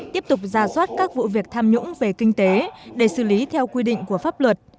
tiếp tục ra soát các vụ việc tham nhũng về kinh tế để xử lý theo quy định của pháp luật